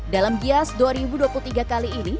dalam gias dua ribu dua puluh tiga kali ini